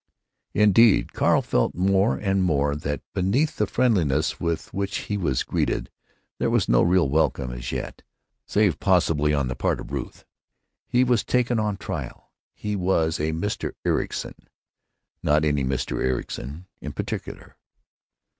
Indeed, Carl felt more and more that beneath the friendliness with which he was greeted there was no real welcome as yet, save possibly on the part of Ruth. He was taken on trial. He was a Mr. Ericson, not any Mr. Ericson in particular.